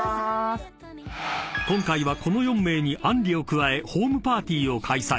［今回はこの４名にあんりを加えホームパーティーを開催］